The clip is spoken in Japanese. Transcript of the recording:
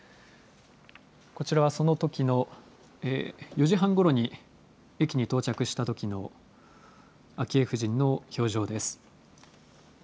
こちらはそのときの、４時半ごろに駅に到着したときの昭恵夫人の表情です。